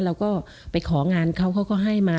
เราก็ไปของานเขาเขาก็ให้มา